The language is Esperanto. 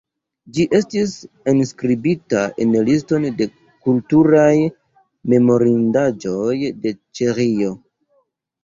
Ĝi estis enskribita en liston de kulturaj memorindaĵoj de Ĉeĥio.